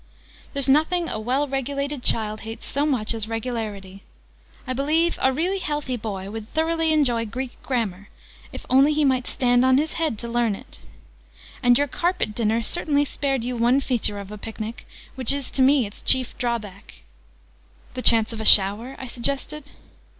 "There's nothing a well regulated child hates so much as regularity. I believe a really healthy boy would thoroughly enjoy Greek Grammar if only he might stand on his head to learn it! And your carpet dinner certainly spared you one feature of a picnic, which is to me its chief drawback." "The chance of a shower?" I suggested.